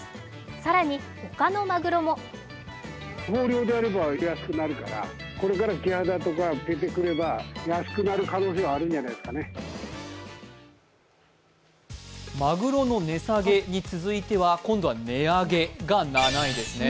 更に他のマグロもマグロの値下げに続いては今度は値上げが７位ですね。